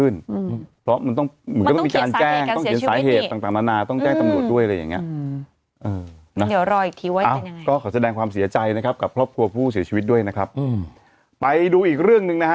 น่าจะมีการเช็คแล้วว่ามันเกิดอะไรขึ้น